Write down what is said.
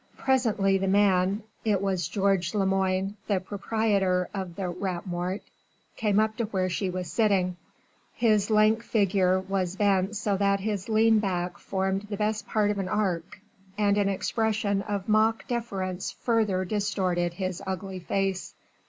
Presently the man it was George Lemoine, the proprietor of the Rat Mort came up to where she was sitting: his lank figure was bent so that his lean back formed the best part of an arc, and an expression of mock deference further distorted his ugly face.